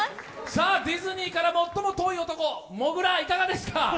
ディズニーから最も遠い男、もぐらいかがですか？